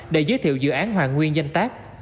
để giới thiệu dự án hoàn nguyên danh tác